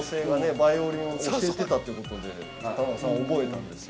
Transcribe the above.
バイオリン教えてたということで田中さん覚えたんですよ。